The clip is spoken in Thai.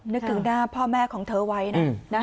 นึกถึงหน้าพ่อแม่ของเธอไว้นะ